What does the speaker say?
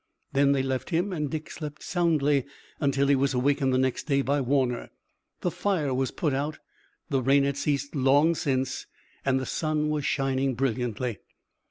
Then they left him and Dick slept soundly until he was awakened the next day by Warner. The fire was out, the rain had ceased long since and the sun was shining brilliantly.